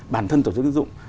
bản thân tổ chức dụng